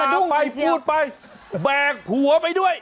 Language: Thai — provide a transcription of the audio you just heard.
ดูไปพูดไปแบกผัวไปด้วย